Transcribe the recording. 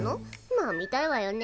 まあ見たいわよね。